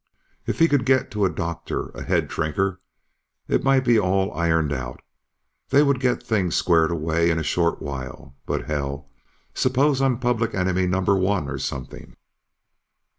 If he could get to a doctor, a headshrinker, it might all be ironed out. They would get things squared away in a short while, but hell ... suppose I'm Public Enemy Number One, or something.